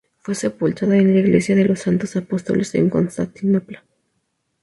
Fue sepultada en la Iglesia de los Santos Apóstoles, en Constantinopla.